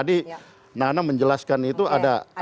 nah karena menjelaskan itu ada sisi positif